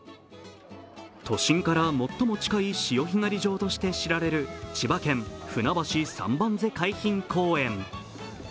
都心から最も近い潮干狩り場として知られる千葉県ふなばし三番瀬海浜公園。